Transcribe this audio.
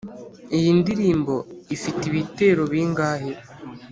iyi ndirimbo ifite ibitero bingahe?